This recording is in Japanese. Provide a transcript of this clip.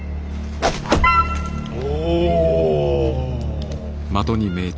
お！